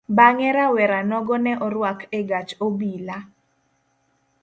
Bang'e rawera nogo ne orwak egach obila.